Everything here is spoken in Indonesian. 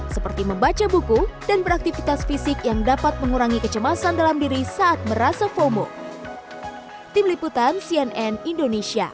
seperti membaca buku dan beraktivitas fisik yang dapat mengurangi kecemasan dalam diri saat merasa fomo